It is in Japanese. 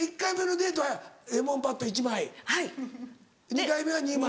２回目は２枚。